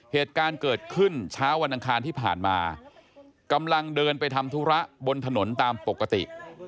เหตุการณ์เกิดขึ้นเช้าวันอังคารที่ผ่านมากำลังเดินไปทำธุระบนถนนตามปกติ